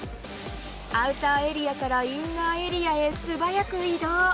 アウターエリアからインナーエリアへ素早く移動。